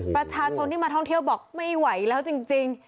ประชาชนที่มาท่องเที่ยวบอกไม่ไหวแล้วจริง